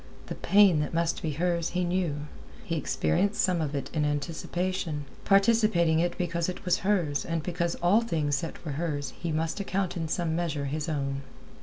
The pain that must be hers he knew; he experienced some of it in anticipation, participating it because it was hers and because all things that were hers he must account in some measure his own.